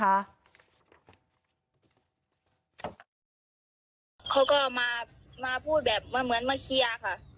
เขาก็มาพูดแบบมาเหมือนมาเคลียร์ค่ะ